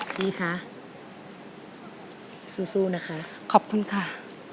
พี่คะสู้นะคะขอบคุณค่ะ